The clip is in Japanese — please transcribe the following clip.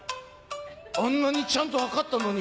あんなにちゃんと測ったのに